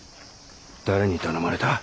誰に頼まれた？